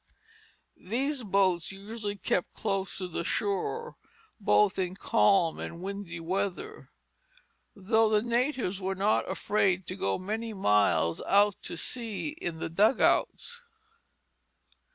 These boats usually kept close to the shore, both in calm and windy weather, though the natives were not afraid to go many miles out to sea in the dugouts.